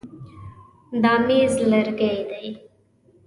دا مېز لرګی دی.